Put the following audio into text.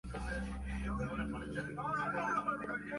El baño principal es un cilindro de cristal.